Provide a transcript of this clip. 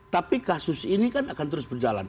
tapi kasus ini kan akan terus berjalan